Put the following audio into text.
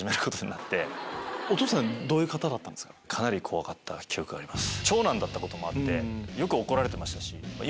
かなり怖かった記憶があります。